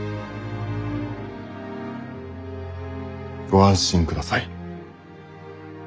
ご安心ください。